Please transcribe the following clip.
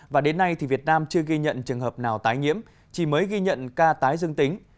và đến nay thì việt nam chưa ghi nhận trường hợp nào tái nhiễm chỉ mới ghi nhận ca tái dương tính